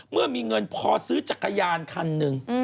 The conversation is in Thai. เมื่อมีเงินพอซื้อจักรยานคันหนึ่ง